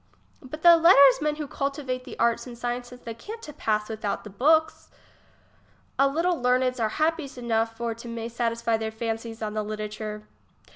Butthc letter'smcn whocultivatethcartsand the sciences they can't to pass without the books. A little leameds are happies enough for to may to satisfy their fancies on the literature.